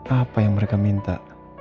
apa yang mereka minta